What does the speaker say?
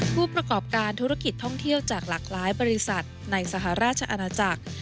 ผู้ประกอบการธุรกิจท่องเที่ยวจากหลากหลายบริษัทในสหราชอาณาจักร